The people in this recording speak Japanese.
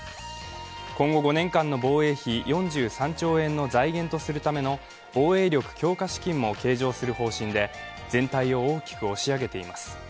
今後５年間の防衛費４３兆円の財源とするための、防衛力強化資金も計上する方針で全体を大きく押し上げています。